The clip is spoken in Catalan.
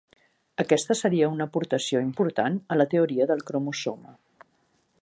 Aquesta seria una aportació important a la teoria del cromosoma.